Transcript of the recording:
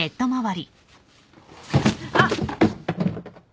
あっ。